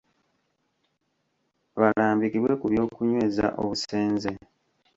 Balambikibwe ku by’okunyweza obusenze.